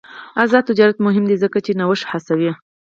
آزاد تجارت مهم دی ځکه چې نوښت هڅوي.